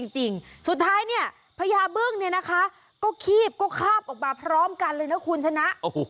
จริงสุดท้ายเนี่ยพญาบึ้งเนี่ยนะคะก็คีบก็คาบออกมาพร้อมกันเลยนะคุณชนะ